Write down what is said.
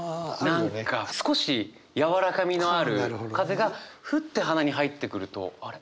何か少しやわらかみのある風がフッて鼻に入ってくるとあれ？